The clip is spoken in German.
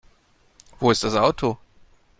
Wo ist das Auto?